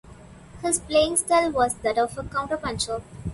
His playing style was that of a counter-puncher.